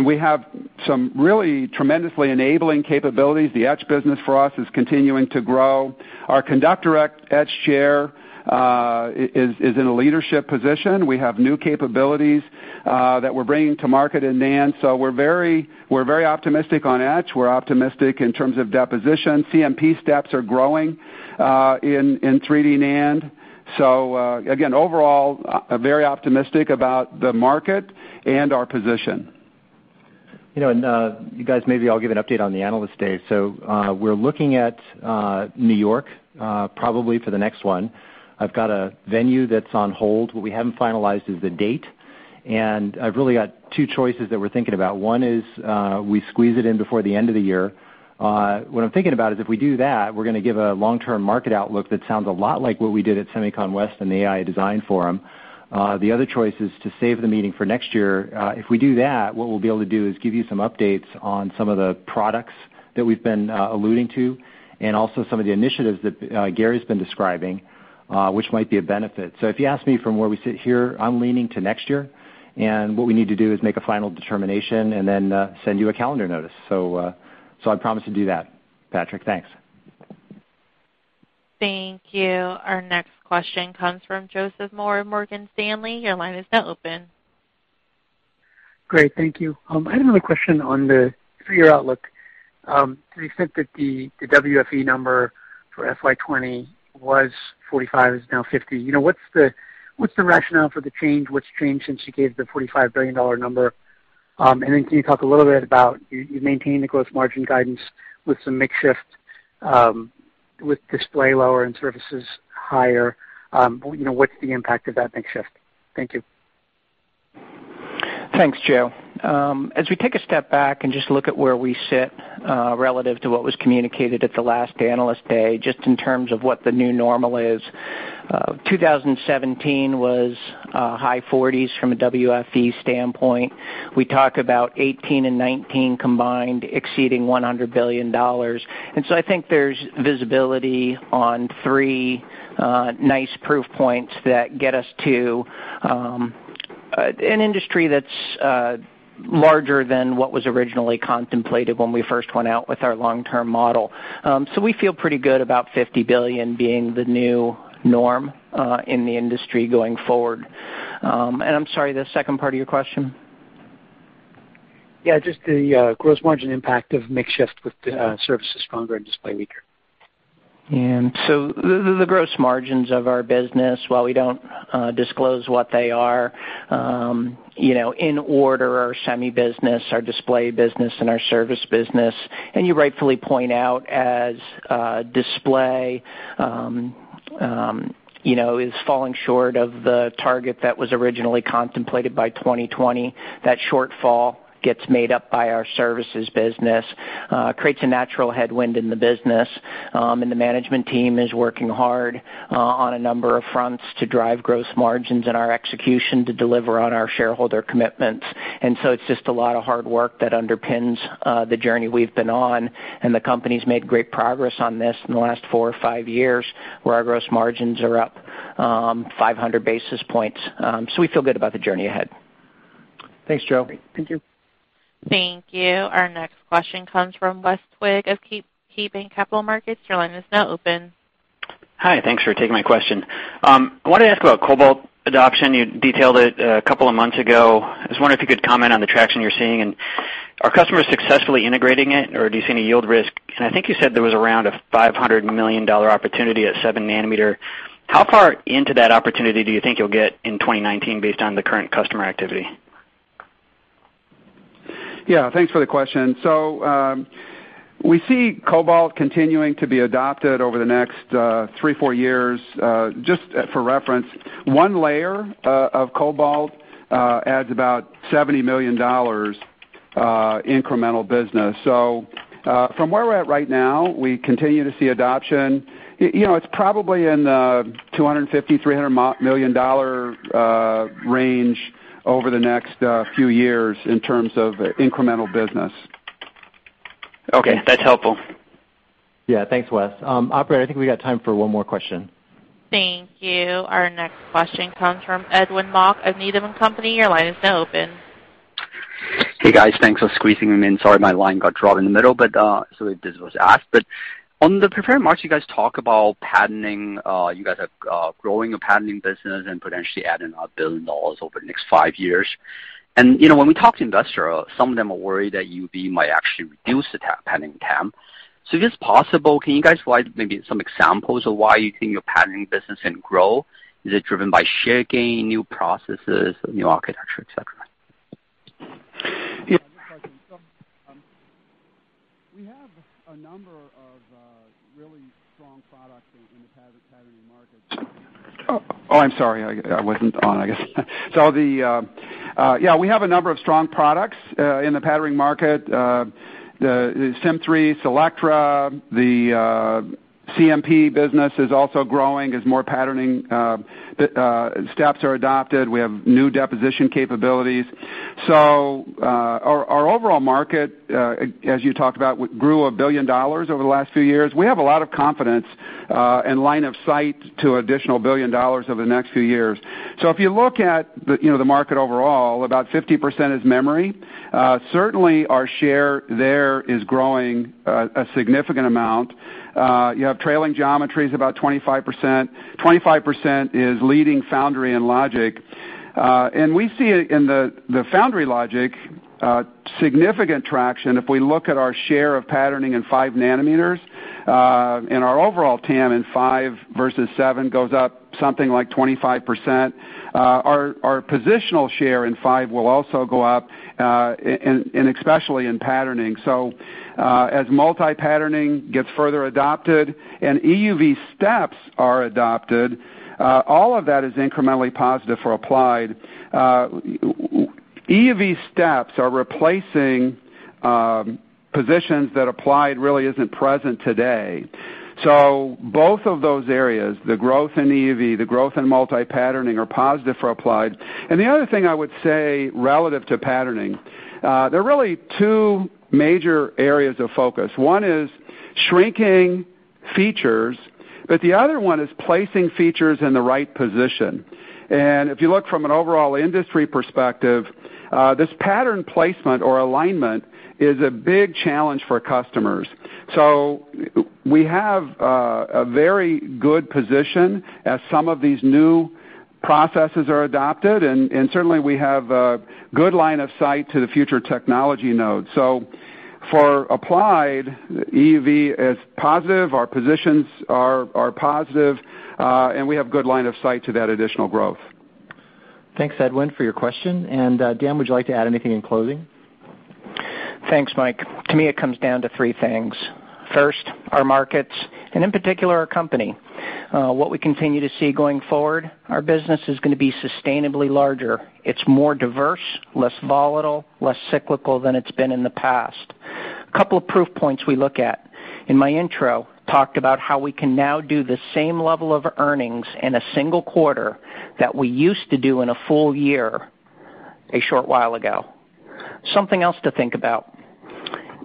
We have some really tremendously enabling capabilities. The etch business for us is continuing to grow. Our conductor etch share is in a leadership position. We have new capabilities that we're bringing to market in NAND. We're very optimistic on etch. We're optimistic in terms of deposition. CMP steps are growing in 3D NAND. Again, overall, very optimistic about the market and our position. You guys, maybe I'll give an update on the Analyst Day. We're looking at New York, probably for the next one. I've got a venue that's on hold. What we haven't finalized is the date, and I've really got two choices that we're thinking about. One is we squeeze it in before the end of the year. What I'm thinking about is if we do that, we're going to give a long-term market outlook that sounds a lot like what we did at SEMICON West and the AI Design Forum. The other choice is to save the meeting for next year. If we do that, what we'll be able to do is give you some updates on some of the products that we've been alluding to, and also some of the initiatives that Gary's been describing, which might be a benefit. If you ask me from where we sit here, I'm leaning to next year, what we need to do is make a final determination and then send you a calendar notice. I promise to do that, Patrick. Thanks. Thank you. Our next question comes from Joseph Moore of Morgan Stanley. Your line is now open. Great. Thank you. I had another question on the full-year outlook. You said that the WFE number for FY 2020 was 45, is now 50. What's the rationale for the change? What's changed since you gave the $45 billion number? Can you talk a little bit about you maintaining the gross margin guidance with some mix shift, with display lower and services higher. What's the impact of that mix shift? Thank you. Thanks, Joe. As we take a step back and just look at where we sit relative to what was communicated at the last Analyst Day, just in terms of what the new normal is, 2017 was high 40s from a WFE standpoint. We talk about 2018 and 2019 combined exceeding $100 billion. I think there's visibility on three nice proof points that get us to an industry that's larger than what was originally contemplated when we first went out with our long-term model. We feel pretty good about $50 billion being the new norm in the industry going forward. I'm sorry, the second part of your question. Yeah, just the gross margin impact of mix shift with services stronger and display weaker. The gross margins of our business, while we don't disclose what they are, in order, our semi business, our display business, and our service business, you rightfully point out as display is falling short of the target that was originally contemplated by 2020. That shortfall gets made up by our services business, creates a natural headwind in the business, the management team is working hard on a number of fronts to drive gross margins in our execution to deliver on our shareholder commitments. It's just a lot of hard work that underpins the journey we've been on, the company's made great progress on this in the last four or five years, where our gross margins are up 500 basis points. We feel good about the journey ahead. Thanks, Joe. Thank you. Thank you. Our next question comes from Weston Twigg of KeyBanc Capital Markets. Your line is now open. Hi, thanks for taking my question. I wanted to ask about cobalt adoption. You detailed it a couple of months ago. I was wondering if you could comment on the traction you're seeing, are customers successfully integrating it, or do you see any yield risk? I think you said there was around a $500 million opportunity at seven nanometer. How far into that opportunity do you think you'll get in 2019 based on the current customer activity? Thanks for the question. We see cobalt continuing to be adopted over the next three, four years. Just for reference, one layer of cobalt adds about $70 million incremental business. From where we're at right now, we continue to see adoption. It's probably in the $250 million-$300 million range over the next few years in terms of incremental business. Okay. That's helpful. Thanks, Wes. Operator, I think we got time for one more question. Thank you. Our next question comes from Edwin Mok of Needham & Company. Your line is now open. Hey, guys. Thanks for squeezing me in. Sorry my line got dropped in the middle. This was asked on the prepared remarks, you guys talk about patterning. You guys are growing a patterning business and potentially adding $1 billion over the next 5 years. When we talk to investors, some of them are worried that EUV might actually reduce the patterning TAM. If it's possible, can you guys provide maybe some examples of why you think your patterning business can grow? Is it driven by share gain, new processes, new architecture, et cetera? Yeah. Good question. We have a number of really strong products in the patterning market. Oh, I'm sorry. I wasn't on, I guess. Yeah, we have a number of strong products in the patterning market. The Centris, Selectra, the CMP business is also growing as more patterning steps are adopted. We have new deposition capabilities. Our overall market, as you talked about, grew $1 billion over the last few years. We have a lot of confidence and line of sight to additional $1 billion over the next few years. If you look at the market overall, about 50% is memory. Certainly, our share there is growing a significant amount. You have trailing geometries, about 25%. 25% is leading foundry and logic. We see in the foundry logic, significant traction if we look at our share of patterning in 5 nanometers, and our overall TAM in 5 versus 7 goes up something like 25%. Our positional share in 5 will also go up, and especially in patterning. As multi-patterning gets further adopted and EUV steps are adopted, all of that is incrementally positive for Applied. EUV steps are replacing positions that Applied really isn't present today. Both of those areas, the growth in EUV, the growth in multi-patterning, are positive for Applied. The other thing I would say relative to patterning, there are really 2 major areas of focus. One is shrinking features, the other one is placing features in the right position. If you look from an overall industry perspective, this pattern placement or alignment is a big challenge for customers. We have a very good position as some of these new processes are adopted, and certainly, we have a good line of sight to the future technology nodes. For Applied, EUV is positive, our positions are positive, and we have good line of sight to that additional growth. Thanks, Edwin, for your question. Dan, would you like to add anything in closing? Thanks, Mike. To me, it comes down to three things. First, our markets, and in particular, our company. What we continue to see going forward, our business is going to be sustainably larger. It's more diverse, less volatile, less cyclical than it's been in the past. A couple of proof points we look at. In my intro, talked about how we can now do the same level of earnings in a single quarter that we used to do in a full year a short while ago. Something else to think about.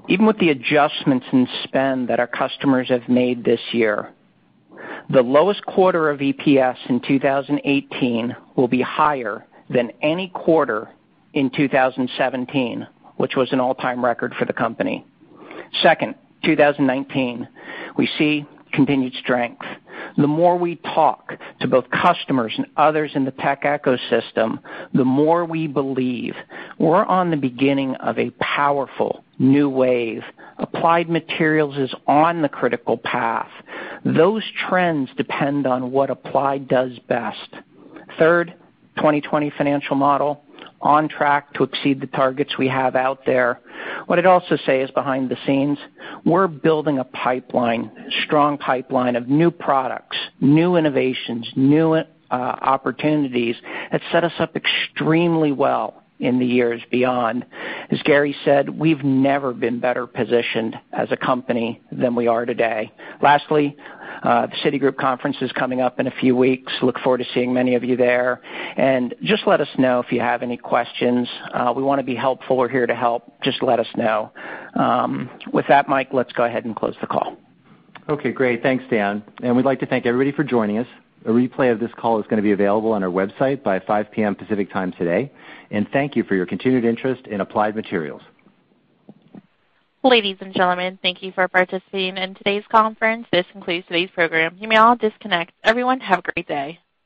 Even with the adjustments in spend that our customers have made this year, the lowest quarter of EPS in 2018 will be higher than any quarter in 2017, which was an all-time record for the company. Second, 2019, we see continued strength. The more we talk to both customers and others in the tech ecosystem, the more we believe we're on the beginning of a powerful new wave. Applied Materials is on the critical path. Those trends depend on what Applied does best. Third, 2020 financial model, on track to exceed the targets we have out there. What I'd also say is behind the scenes, we're building a pipeline, a strong pipeline of new products, new innovations, new opportunities that set us up extremely well in the years beyond. As Gary said, we've never been better positioned as a company than we are today. Lastly, the Citigroup conference is coming up in a few weeks. Look forward to seeing many of you there. Just let us know if you have any questions. We want to be helpful. We're here to help. Just let us know. With that, Mike, let's go ahead and close the call. Okay, great. Thanks, Dan. We'd like to thank everybody for joining us. A replay of this call is going to be available on our website by 5:00 P.M. Pacific Time today. Thank you for your continued interest in Applied Materials. Ladies and gentlemen, thank you for participating in today's conference. This concludes today's program. You may all disconnect. Everyone, have a great day.